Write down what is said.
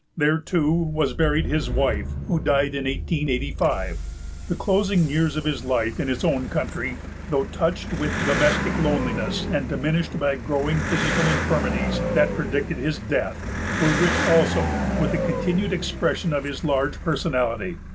There, too, was buried his wife, who died in 1885. The closing years of his life in his own country, though touched with domestic loneliness and diminished by growing physical infirmities that predicted his death, were rich also with the continued expression of his large personality.